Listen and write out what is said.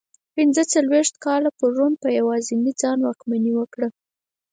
پنځه څلوېښت کاله پر روم په یوازې ځان واکمني وکړه